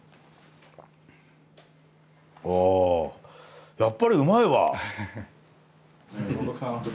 あやっぱりうまいわ！